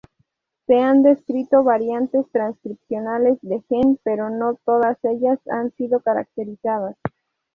Se han descrito variantes transcripcionales del gen pero no todas ellas han sido caracterizadas.